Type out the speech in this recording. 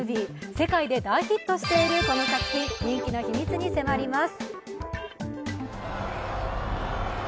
世界で大ヒットしているこの作品、人気の秘密に迫ります。